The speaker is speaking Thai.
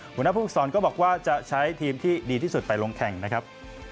หัวหน้าภูมิสอนก็บอกว่าจะใช้ทีมที่ดีที่สุดไปลงแข่งนะครับ